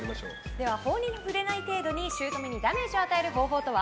法に触れない程度に姑にダメージを与える方法とは。